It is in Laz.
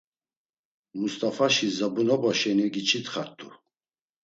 Must̆afaşi zabunoba şeni giç̌itxart̆u!